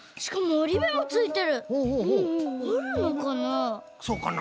おるのかな？